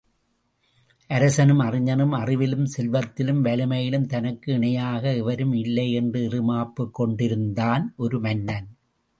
அரசனும் அறிஞனும் அறிவிலும் செல்வத்திலும் வலிமையிலும் தனக்கு இணையாக எவரும் இல்லை என்று இறுமாப்பு கொண்டிருந்தான் ஒரு மன்னன்.